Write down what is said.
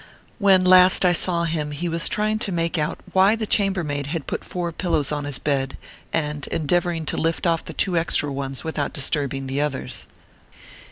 When last I saw him he was trying to make out why the chambermaid had put four pillows on his bed, and endeavoring to lift off the two extra ones without disturbing the others.